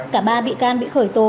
cả ba bị can bị khởi tố